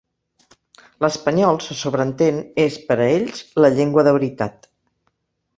L'espanyol, se sobreentén, és, per a ells, "la llengua" de veritat.